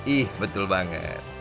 ih betul banget